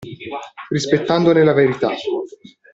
Rispettandone la verità.